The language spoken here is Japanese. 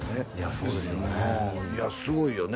そうですよねいやすごいよね